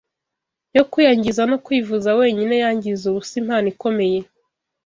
yo kwiyangiza no kwivuza wenyine yangiza ubusa impano ikomeye